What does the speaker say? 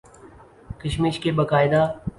کشمش کے باقاعدہ